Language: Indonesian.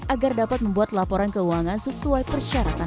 agar dapat membuat laporan keuangan sesuai persyaratan